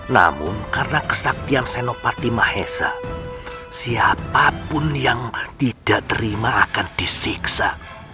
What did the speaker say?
namun karena kesaktian senopati mahesa siapapun yang tidak terima akan disiksa